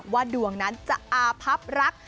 ว่าดวงนั้นจะอาพับรัก